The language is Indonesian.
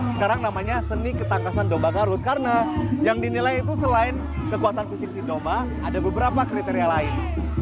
sekarang namanya seni ketangkasan domba garut karena yang dinilai itu selain kekuatan fisik sidoma ada beberapa kriteria lain